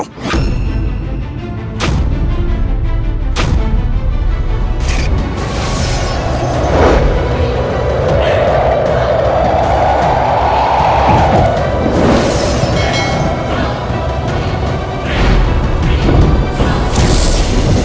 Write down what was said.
kerajaan sukamala akan menghabisimu